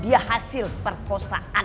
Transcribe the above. dia hasil perkosaan